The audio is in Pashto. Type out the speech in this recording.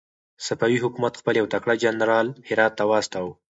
صفوي حکومت خپل يو تکړه جنرال هرات ته واستاوه.